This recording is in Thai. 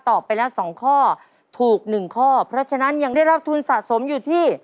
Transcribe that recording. ไปแล้วสองข้อถูกหนึ่งข้อเพราะฉะนั้นยังได้รับทุนสะสมอยู่ที่